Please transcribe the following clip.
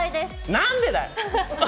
何でだよ！